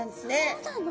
そうなの？